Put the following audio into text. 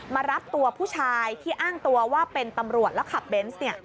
มารับตัวผู้ชายที่อ้างตัวว่าเป็นตำรวจแล้วขับเบนส์